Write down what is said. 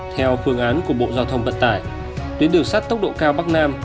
theo phương án của bộ giao thông vận tải tuyến đường sắt tốc độ cao bắc nam